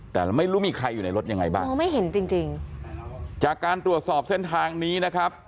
แต่ไม่รู้มีใครอยู่ในรถยังไงบ้างมองไม่เห็นจริงจริงจากการตรวจสอบเส้นทางนี้นะครับ